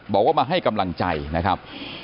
บอกว่ามาให้กำลังใจนะครับ